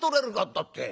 俺だって。